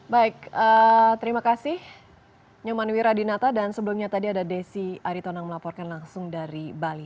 baik terima kasih nyoman wiradinata dan sebelumnya tadi ada desi aritonang melaporkan langsung dari bali